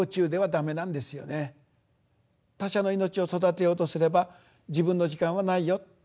他者の命を育てようとすれば自分の時間はないよ。